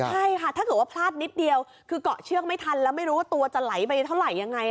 ใช่ค่ะถ้าเกิดว่าพลาดนิดเดียวคือเกาะเชือกไม่ทันแล้วไม่รู้ว่าตัวจะไหลไปเท่าไหร่ยังไง